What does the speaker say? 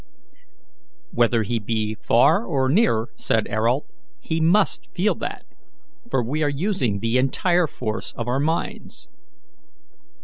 "Whether he be far or near," said Ayrault, "he must feel that, for we are using the entire force of our minds."